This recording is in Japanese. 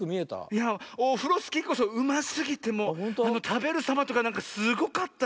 いやオフロスキーこそうますぎてもうたべるさまとかなんかすごかったわ。